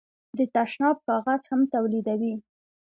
د تشناب کاغذ هم تولیدوي.